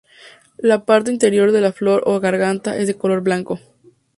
La parte interior de la flor o garganta es de color blanco.